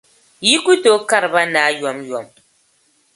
yi ku tooi kari ba naai yomyom.